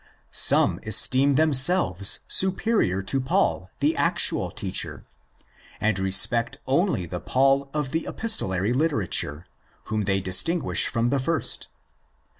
Some esteem them selves superior to Paul the actual teacher, and respect only the Paul of the epistolary literature, whom they distinguish from the first.